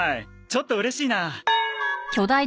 ちょっとうれしいな。